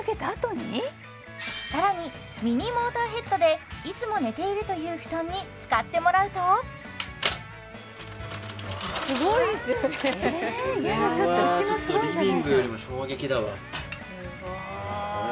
更にミニモーターヘッドでいつも寝ているという布団に使ってもらうとすごいですよねえやだちょっとうちもすごいんじゃないじゃあ